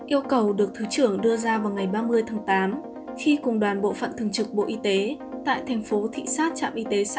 yêu cầu được thứ trưởng đưa ra vào ngày ba mươi tháng tám khi cùng đoàn bộ phận thường trực bộ y tế tại tp hcm